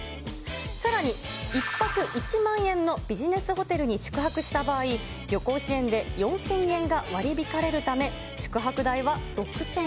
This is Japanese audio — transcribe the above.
さらに、１泊１万円のビジネスホテルに宿泊した場合、旅行支援で４０００円が割り引かれるため、宿泊代は６０００円。